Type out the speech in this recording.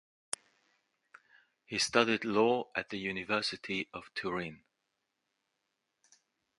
He studied law at the University of Turin.